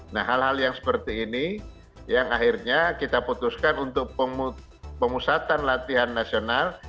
nah hal hal yang seperti ini yang akhirnya kita putuskan untuk pemusatan latihan nasional